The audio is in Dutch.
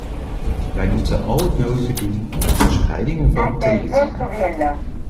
Wij moeten al het nodige doen om de verspreiding ervan tegen te gaan.